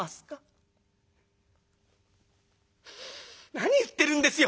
「何言ってるんですよ。